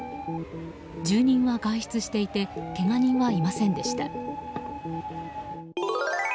住人は外出していてけが人はいませんでした。